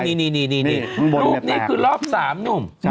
รูปนี้คือรอบ๓นุ่ม